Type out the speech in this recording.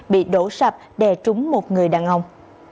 bị đổ sập đè trúng một người đàn ông